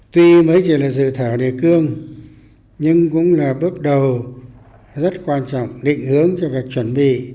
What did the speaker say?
tuy mới chỉ là dự thảo đề cương nhưng cũng là bước đầu rất quan trọng định hướng cho việc chuẩn bị